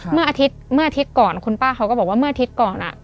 เมื่ออาทิตย์เมื่ออาทิตย์ก่อนคุณป้าเขาก็บอกว่าเมื่ออาทิตย์ก่อน